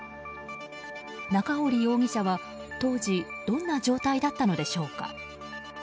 中堀容疑者は当時どんな状態だったのでしょうか。